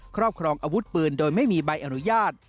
ครอบครองอาวุธปืนโดยไม่มีใบอนุญาต